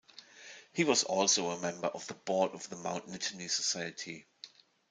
He was also a member of the Board of the Mount Nittany Society.